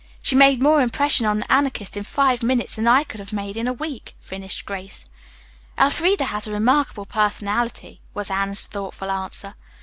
"She made more impression on the Anarchist in five minutes than I could have made in a week," finished Grace. "Elfreda has a remarkable personality," was Anne's thoughtful answer.